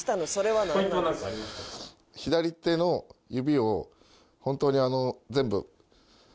左手の指を本当に全部。